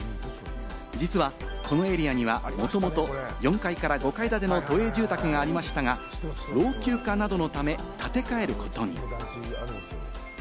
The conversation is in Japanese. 実はこのエリアには、もともと４階から５階建ての都営住宅がありましたが、老朽化などのため建て替えることに。